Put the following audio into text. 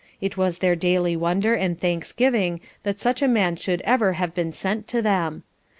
It was their daily wonder and thanksgiving that such a man should ever have been sent to them.